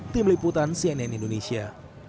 tim liputan cnn indonesia